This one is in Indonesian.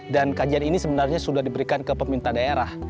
dan kajian ini sebenarnya sudah diberikan ke peminta daerah